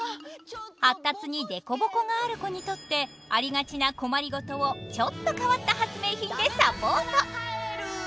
発達にでこぼこがある子にとってありがちな困りごとをちょっと変わった発明品でサポート！